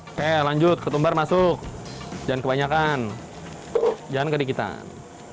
oke lanjut ketumbar masuk jangan kebanyakan jangan kedikitan